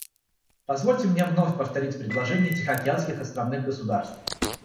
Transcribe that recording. Позвольте мне вновь повторить предложения тихоокеанских островных государств.